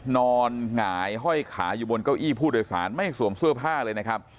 หงายห้อยขาอยู่บนเก้าอี้ผู้โดยสารไม่สวมเสื้อผ้าเลยนะครับ